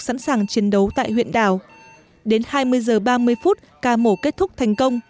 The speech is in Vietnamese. sẵn sàng chiến đấu tại huyện đảo đến hai mươi h ba mươi phút ca mổ kết thúc thành công